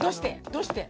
どうして？